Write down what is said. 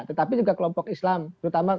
tetapi juga kelompok islam terutama